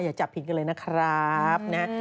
อย่าจับผิดกันเลยนะครับ